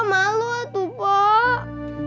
malu atu pak